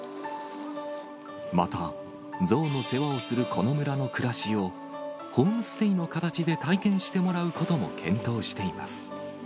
また、ゾウの世話をするこの村の暮らしを、ホームステイの形で体験してもらうことも検討しています。